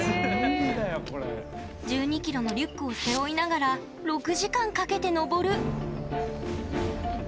１２ｋｇのリュックを背負いながら、６時間かけて登る。